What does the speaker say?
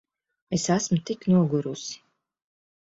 Es esmu tik nogurusi.